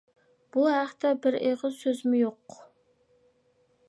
بۇ ھەقتە بىر ئېغىز سۆزمۇ يوق.